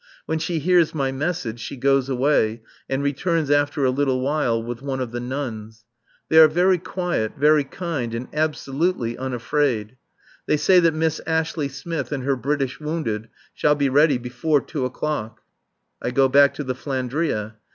When she hears my message she goes away, and returns after a little while with one of the nuns. They are very quiet, very kind, and absolutely unafraid. They say that Miss Ashley Smith and her British wounded shall be ready before [?] two o'clock. I go back to the "Flandria."